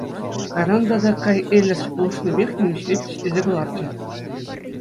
Кайран тата Кай Элерс пулӑшнипех нимӗҫле пичетлесе кӑларчӗ.